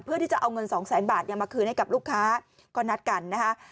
เพื่อที่จะเอาเงินสองแสนบาทเนี่ยมาคืนให้กับลูกค้าก็นัดกันนะคะ